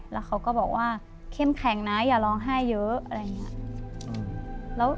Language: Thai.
แล้วเขาก็บอกว่าเข้มแข็งนะอย่าร้องไห้เยอะ